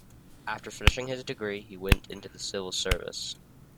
After finishing his Degree, he went into the civil service.